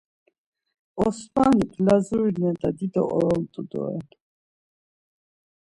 Osmanik Lazuri nena dido oromt̆u doren.